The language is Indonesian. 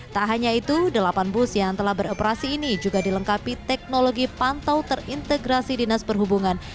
tak hanya itu delapan bus yang telah beroperasi ini juga dilengkapi teknologi pantau terintegrasi dinas perhubungan